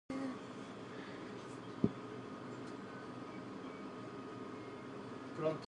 Thorir the Silent was Rognvald's third son by his marriage to Ragnhild.